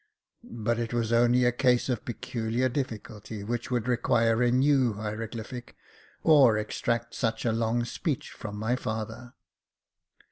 But it was only a case of peculiar difficulty which would require a new hieroglyphic, or extract such a long speech from my father.